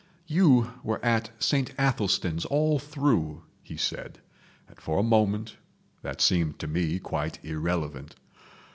"You were at Saint Athelstan's all through," he said, and for a moment that seemed to me quite irrelevant.